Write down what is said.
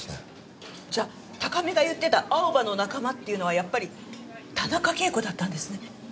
じゃあ高見が言ってたアオバの仲間っていうのはやっぱり田中啓子だったんですね。